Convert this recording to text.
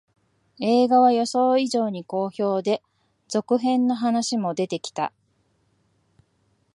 映画は予想以上に好評で、続編の話も出てきた